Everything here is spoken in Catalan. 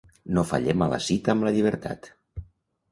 No fallem a la cita amb la llibertat.